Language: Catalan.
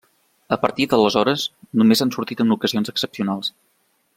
A partir d'aleshores, només han sortit en ocasions excepcionals.